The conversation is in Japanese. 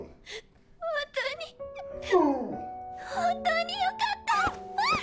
本当に本当によかったワン！